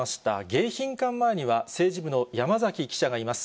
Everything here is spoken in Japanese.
迎賓館前には、政治部の山崎記者がいます。